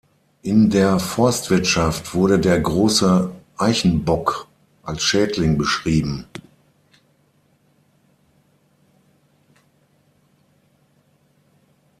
In der Forstwirtschaft wurde der Große Eichenbock als Schädling beschrieben.